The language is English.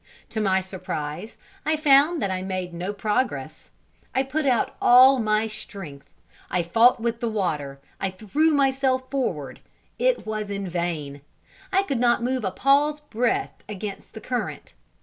To my surprise, I found that I made no progress. I put out all my strength I fought with the water I threw myself forward it was in vain I could not move a paw's breadth against the current.